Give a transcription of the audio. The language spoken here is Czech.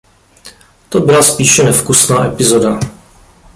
To byla spíše nevkusná epizoda.